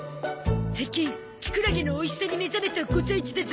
最近キクラゲのおいしさに目覚めた５歳児だゾ。